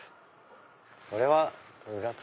これは裏か。